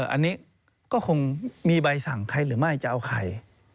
อันนี้ก็คงมีใบสั่งใครหรือไม่จะเอาใคร